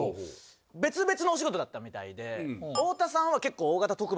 別々のお仕事だったみたいで太田さんは。